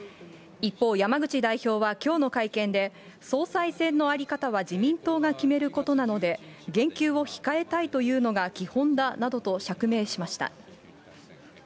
一方、山口代表はきょうの会見で、総裁選の在り方は自民党が決めることなので、言及を控えたいというのが基本だなどと釈明しました。